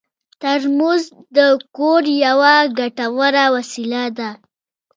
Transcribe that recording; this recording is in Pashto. ترموز د کور یوه ګټوره وسیله ده.